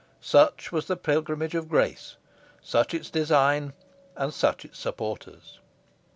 Such was the Pilgrimage of Grace, such its design, and such its supporters.